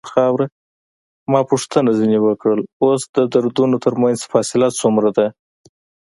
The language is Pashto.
ما پوښتنه ځنې وکړل: اوس د دردونو ترمنځ فاصله څومره ده؟